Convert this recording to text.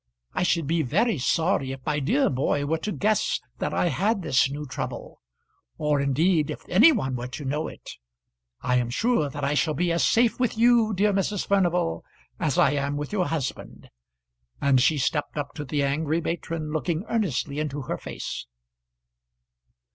I should be very sorry if my dear boy were to guess that I had this new trouble; or, indeed, if any one were to know it. I am sure that I shall be as safe with you, dear Mrs. Furnival, as I am with your husband." And she stepped up to the angry matron, looking earnestly into her face.